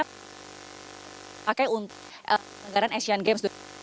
pakai untuk anggaran asian games dua ribu delapan belas